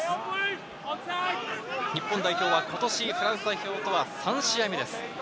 日本代表は今年、フランス代表とは３試合目です。